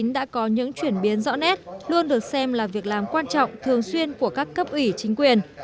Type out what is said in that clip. đã có những chuyển biến rõ nét luôn được xem là việc làm quan trọng thường xuyên của các cấp ủy chính quyền